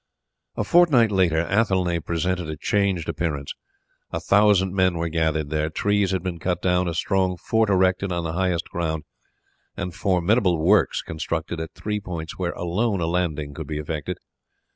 A fortnight later Athelney presented a changed appearance. A thousand men were gathered there. Trees had been cut down, a strong fort erected on the highest ground, and formidable works constructed at three points where alone a landing could be effected.